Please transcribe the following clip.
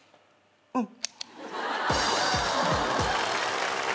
うん。